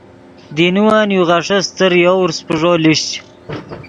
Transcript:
دینوّن یو غیݰے استر یوورس پیݱو لیشچ۔